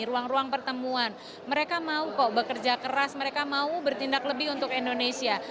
ruang ruang pertemuan mereka mau kok bekerja keras mereka mau bertindak lebih untuk indonesia